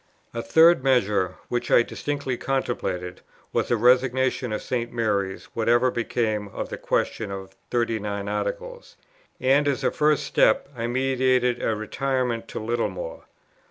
A third measure which I distinctly contemplated, was the resignation of St. Mary's, whatever became of the question of the 39 Articles; and as a first step I meditated a retirement to Littlemore.